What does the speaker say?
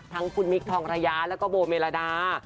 ทั้งคุณมิคทองระยะแล้วก็โบเมลาดา